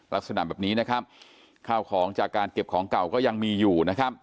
ลักษณะแบบนี้ข้าวของจากการเก็บของเก่าก็ยังมีอยู่